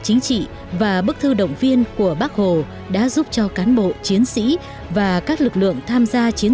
chính trị và bức thư động viên của bác hồ đã giúp cho cán bộ chiến sĩ và các lực lượng tham gia chiến